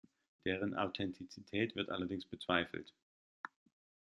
Deren Authentizität wird allerdings bezweifelt.